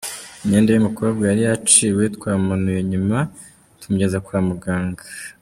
Imyenda y’uyu mukobwa yari yaciwe, twamumanuye nyuma tumugeza kwa muganga.